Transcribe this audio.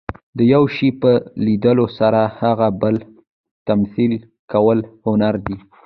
د یو شي په لیدلو سره هغه بیا تمثیل کول، هنر دئ.